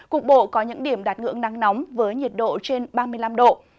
cục bộ có những điểm đạt ngưỡng nắng nóng với nhiệt độ trên ba mươi năm độ